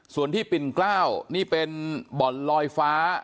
ส่วนที่ปิ่นกล้าวนี่เป็นบ่อนลอยฟ้า